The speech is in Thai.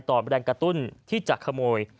แรงกระตุ้นที่จะขโมย